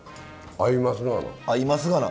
合いますがな。